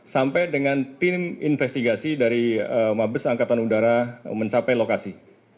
sampai dengan tim investigasi dari mabes angkatan udara mencapai lokasi